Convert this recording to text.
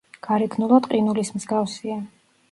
გარეგნულად ყინულის მსგავსია.